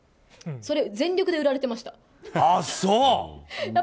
それ、全力で売られてました。